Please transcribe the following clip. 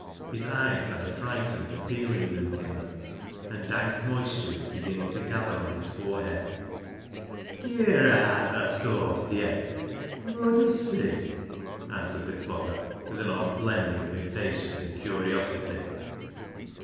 His eyes had a frightened, appealing look in them, and dank moisture was beginning to gather on his forehead. " Ger aat, thaa sawftyed ! Whoa dust see ?" answered the Clogger, with an odd blending of impatience and curiosity.